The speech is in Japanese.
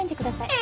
え！